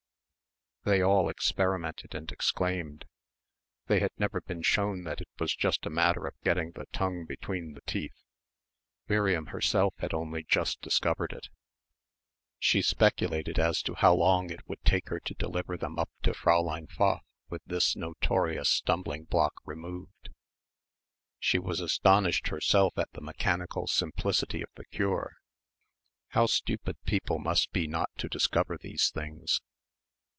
They all experimented and exclaimed. They had never been shown that it was just a matter of getting the tongue between the teeth. Miriam herself had only just discovered it. She speculated as to how long it would take for her to deliver them up to Fräulein Pfaff with this notorious stumbling block removed. She was astonished herself at the mechanical simplicity of the cure. How stupid people must be not to discover these things.